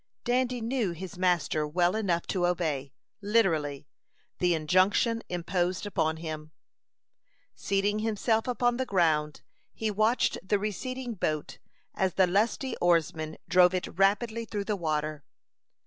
Dandy knew his master well enough to obey, literally, the injunction imposed upon him. Seating himself upon the ground, he watched the receding boat, as the lusty oarsmen drove it rapidly through the water.